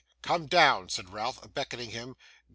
'Come down,' said Ralph, beckoning him.